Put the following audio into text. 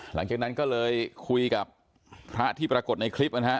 หลังจากนั้นก็เลยคุยกับพระที่ปรากฏในคลิปนะฮะ